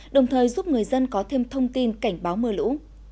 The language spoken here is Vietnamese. đồng thời giúp người dân có thêm thông tin cảnh báo mưa lũ